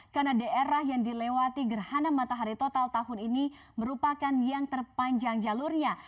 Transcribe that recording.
karena daerah yang dilewati gerhana matahari total tahun ini merupakan yang terpanjang jalurnya